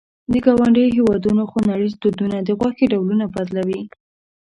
د ګاونډیو هېوادونو خوړنيز دودونه د غوښې ډولونه بدلوي.